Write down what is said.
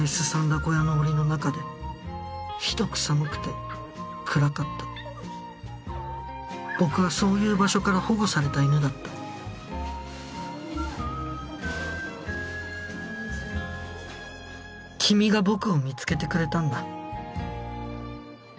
小屋のおりの中でひどく寒くて暗かった僕はそういう場所から保護された犬だった君が僕を見つけてくれたんだ